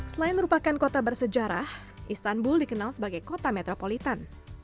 selain merupakan kota bersejarah istanbul dikenal sebagai kota metropolitan